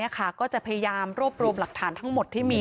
ก็จะพยายามรวบรวมหลักฐานทั้งหมดที่มี